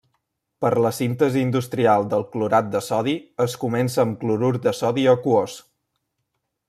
Per la síntesi industrial del clorat de sodi es comença amb clorur de sodi aquós.